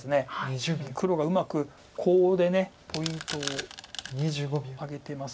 黒がうまくコウでポイントを挙げてます。